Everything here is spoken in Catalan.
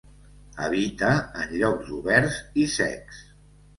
Habita en llocs oberts i secs.